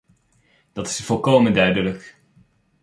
Dat is volkomen duidelijk.